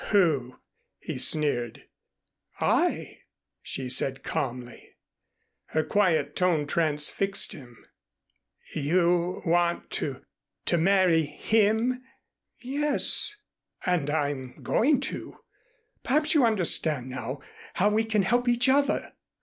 "Who?" he sneered. "I," she said calmly. Her quiet tone transfixed him. "You want to to marry him?" "Yes and I'm going to. Perhaps you understand now how we can help each other."